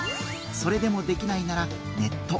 それでもできないならネット。